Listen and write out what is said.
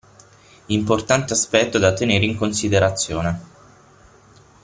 Importante aspetto da tenere in considerazione.